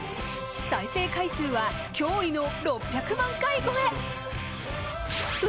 再生回数は驚異の６００万回超え。